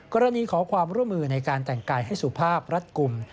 ขอความร่วมมือในการแต่งกายให้สุภาพรัดกลุ่ม